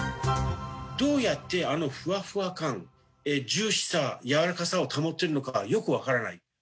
どうやってあのふわふわ感ジューシーさやわらかさを保っているのかがよくわからない。